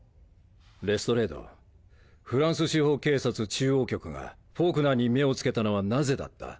レストレードフランス司法警察中央局がフォークナーに目を付けたのはなぜだった？